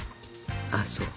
あっそう。